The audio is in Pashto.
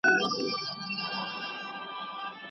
وخت په دغه شېبه کې لکه د یخ په څېر ودرېد.